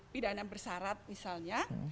pidana bersarat misalnya